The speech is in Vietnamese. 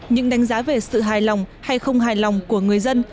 những đánh giá về sự hài lòng hay không hài lòng của người dân